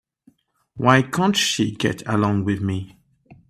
Why can't she get along with me?